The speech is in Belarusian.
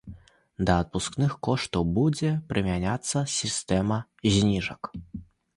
Да адпускных коштаў будзе прымяняцца сістэма зніжак.